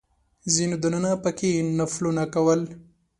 ځینو دننه په کې نفلونه کول.